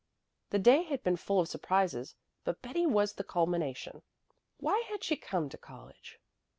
The day had been full of surprises, but Betty was the culmination. Why had she come to college?